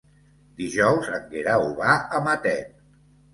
Dijous en Guerau va a Matet.